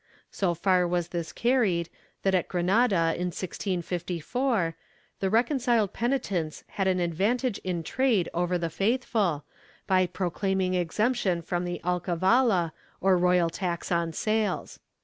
^ So far was this carried that at Granada, in 1654, the reconciled penitents had an advan tage in trade over the faithful, by claiming exemption from the alcavala, or royal tax on sales.